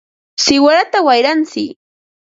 ¡siwarata wayratsiy!